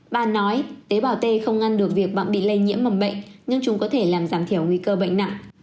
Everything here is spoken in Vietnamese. bà nói tế bào t không ngăn được việc bạn bị lây nhiễm mầm bệnh nhưng chúng có thể làm giảm thiểu nguy cơ bệnh nặng